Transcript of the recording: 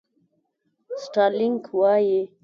سټارلېنک وایي.